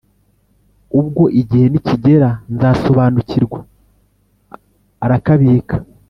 ubwo igihe nikigera nzasobanukirwa"arakabika.